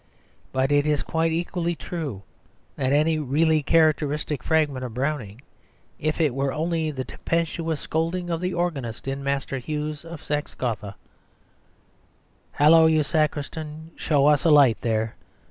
But it is quite equally true that any really characteristic fragment of Browning, if it were only the tempestuous scolding of the organist in "Master Hugues of Saxe Gotha" "Hallo, you sacristan, show us a light there!